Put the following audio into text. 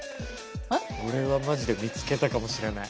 俺はマジで見つけたかもしれない。